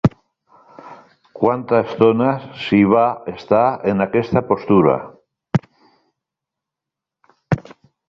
Quanta estona s'hi va estar, en aquesta postura?